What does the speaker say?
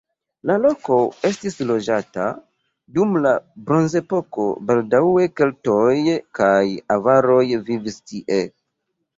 La loko estis loĝata dum la bronzepoko, baldaŭe keltoj kaj avaroj vivis tie.